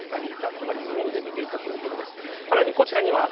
つまり４人で見ていたということです。